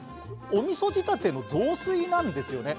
みそ仕立ての雑炊なんですね。